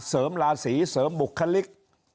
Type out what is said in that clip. เสริมลาศีเสริมบุคลิก